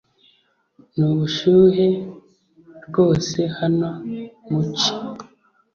Nubushuhe rwose hano mu ci